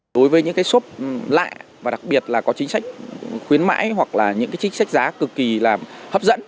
đối với những cái shop lại và đặc biệt là có chính sách khuyến mãi hoặc là những cái chính sách giá cực kỳ là hấp dẫn